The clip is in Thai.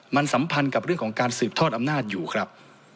มันสัมพันธ์กับเรื่องของการสืบทอดอำนาจอยู่ครับ